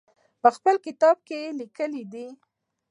په خپل کتاب کې یې لیکلي دي.